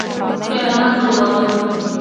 -اعلانات جوړو ل